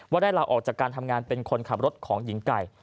ได้ลาออกจากการทำงานเป็นคนขับรถของหญิงไก่